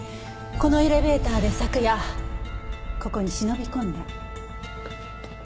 このエレベーターで昨夜ここに忍び込んだ。